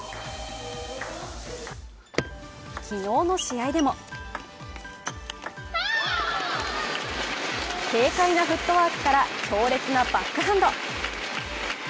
昨日の試合でも、軽快なフットワークから強烈なバックハンド。